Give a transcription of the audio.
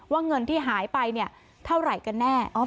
เงินที่หายไปเนี่ยเท่าไหร่กันแน่